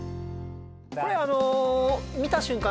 これあの。